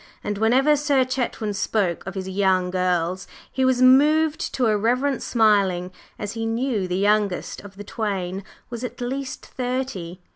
And whenever Sir Chetwynd spoke of his "young girls" he was moved to irreverent smiling, as he knew the youngest of the twain was at least thirty.